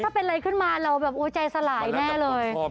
ถ้าเป็นอะไรขึ้นมาเราแบบใจสลายแน่เลย